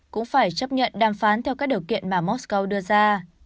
cũng phải chấp nhận đàm phán theo các điều kiện mà mosco đưa ra